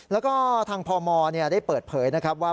แล้วก็ทางพมได้เปิดเผยนะครับว่า